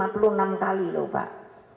sekali loh pak